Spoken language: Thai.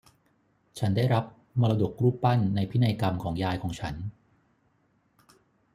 ฉันได้รับมรดกรูปปั้นในพินัยกรรมของยายของฉัน